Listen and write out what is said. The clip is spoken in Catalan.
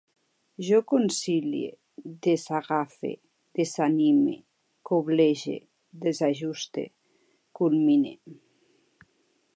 Jo concilie, desagafe, desanime, coblege, desajuste, culmine